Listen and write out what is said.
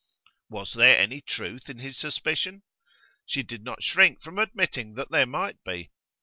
Was there any truth in his suspicion? She did not shrink from admitting that there might be.